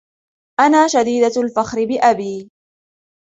أنا شديدة الفخر بأبي.